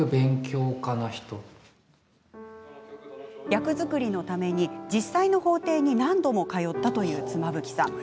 役作りのために実際の法廷に何度も通ったという妻夫木さん。